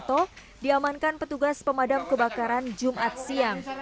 atau diamankan petugas pemadam kebakaran jumat siang